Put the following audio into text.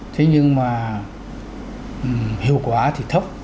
thế nhưng mà hiệu quả thì thấp